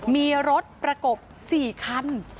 มีที่รถประกบสี่คัน